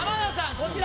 こちら！